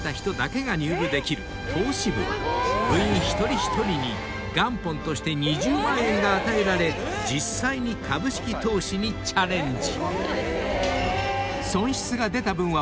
［部員一人一人に元本として２０万円が与えられ実際に株式投資にチャレンジ］